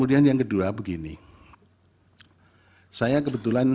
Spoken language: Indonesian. dia juga melekatkan fasle retention